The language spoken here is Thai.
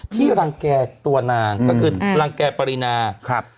ที่รังแก่ตัวนานก็คือรังแก่ปริมาณ